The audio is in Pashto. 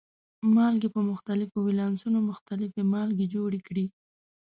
مالګې په مختلفو ولانسونو مختلفې مالګې جوړې کړي.